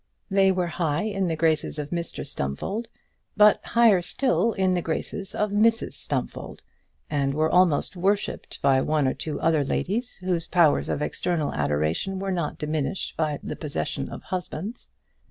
They were high in the graces of Mr Stumfold, but higher still in the graces of Mrs Stumfold, and were almost worshipped by one or two other ladies whose powers of external adoration were not diminished by the possession of husbands.